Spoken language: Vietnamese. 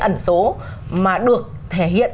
ẩn số mà được thể hiện